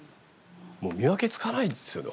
もう見分けつかないですよね